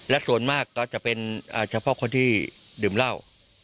และส่วนมากก็จะเป็นเฉพาะคนที่ดื่มเหล้า